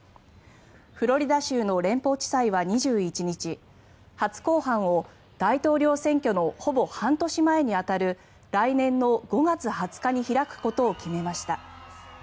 フロリダ州の連邦地裁は２１日初公判を大統領選挙のほぼ半年前に当たる来年の５月２０日に開くことを決めました。